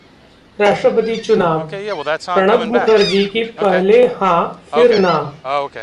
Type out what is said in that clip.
राष्ट्रपति चुनावः प्रणब मुखर्जी की पहले हां, फिर ना